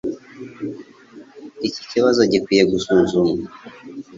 Iki kibazo gikwiye gusuzumwa.